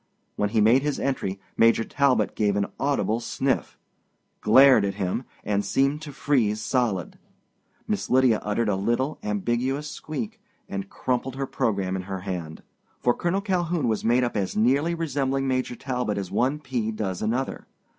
When he made his entry Major Talbot gave an audible sniff, glared at him, and seemed to freeze solid. Miss Lydia uttered a little, ambiguous squeak and crumpled her program in her hand. For Colonel Calhoun was made up as nearly resembling Major Talbot as one pea does another.